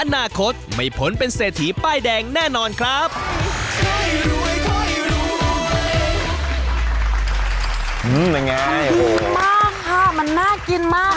มากค่ะมันน่ากินมาก